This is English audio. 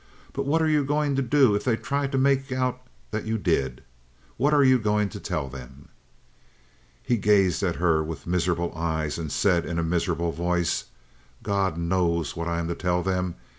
"But what are you going to do if they try to make out that you did? What are you going to tell them?" He gazed at her with miserable eyes and said in a miserable voice: "God knows what I'm to tell them.